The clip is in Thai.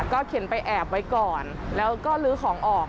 เข็นไปแอบไว้ก่อนแล้วก็ลื้อของออก